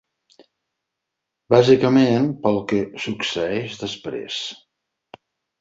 Bàsicament pel que succeeix després.